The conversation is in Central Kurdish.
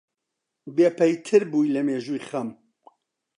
بێپەیتر بووی لە مێژووی خەم